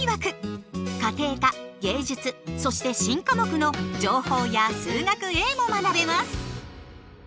家庭科芸術そして新科目の情報や数学Ａも学べます！